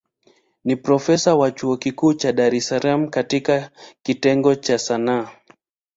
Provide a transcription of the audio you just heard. Ni profesa wa chuo kikuu cha Dar es Salaam katika kitengo cha Sanaa.